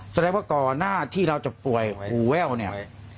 แสดงว่าก่อนหน้าที่เราจะป่วยหูแว่วเนี่ย